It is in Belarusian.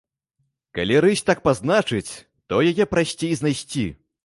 Калі рысь так пазначыць, то яе прасцей знайсці.